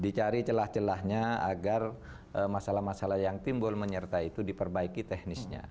dicari celah celahnya agar masalah masalah yang timbul menyerta itu diperbaiki teknisnya